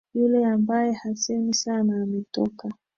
Yule ambaye hasemi sana, ametoka.